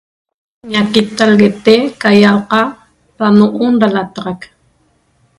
Ñaquittalguete ca ýalqa da no'on da lataxa'c